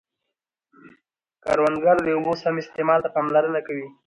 کروندګر د اوبو سم استعمال ته پاملرنه کوي